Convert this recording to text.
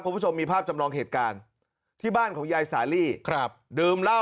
คุณผู้ชมมีภาพจำลองเหตุการณ์ที่บ้านของยายสาลีครับดื่มเหล้า